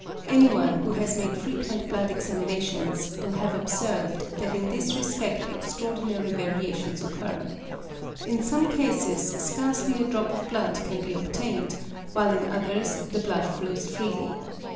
Anyone who has made frequent blood examinations will have observed that in this respect extraordinary variations occur. In some cases scarcely a drop of blood can be obtained, while in others the blood flows freely.